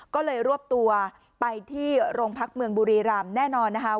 ก็เลยรวบตัวไปที่โรงพักเมืองบุรีรำแน่นอนนะคะ